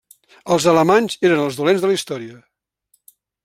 Els alemanys eren els dolents de la història.